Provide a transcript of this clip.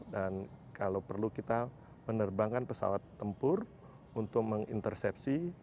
dan kalau perlu kita menerbangkan pesawat tempur untuk mengintersepsi